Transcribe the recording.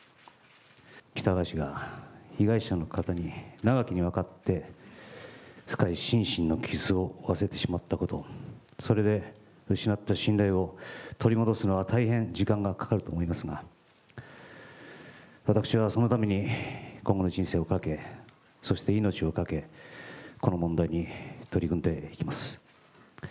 喜多川氏が被害者の方に長きにわたって深い心身の傷を負わせてしまったこと、それで失った信頼を取り戻すのは大変時間がかかると思いますが、私はそのために今後の人生をかけ、そして命をかけ、この問題に取り組んでいきます。